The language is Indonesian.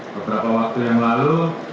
beberapa waktu yang lalu